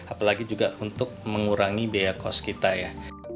apalagi juga untuk mengurangi biaya kos kita ya